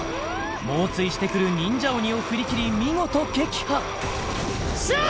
猛追してくる忍者鬼を振り切り見事撃破しゃー！